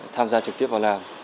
tham gia trực tiếp vào làm